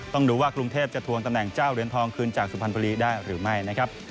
ต้องดูว่ากรุงเทพจะทวงตำแหน่งเจ้าเหรียญทองคืนจากสุพรรณบุรีได้หรือไม่นะครับ